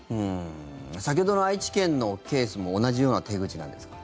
先ほどの愛知県のケースも同じような手口なんですか？